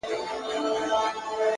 خپل مسیر د ارزښتونو پر بنسټ وټاکئ،